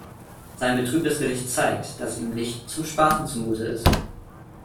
Sein betrübtes Gesicht zeigt, dass ihm nicht zum Spaßen zumute ist.